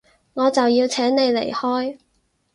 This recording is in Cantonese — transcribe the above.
我就要請你離開